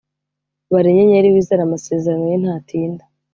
Bara inyenyeri wizere amasezerano ye ntatinda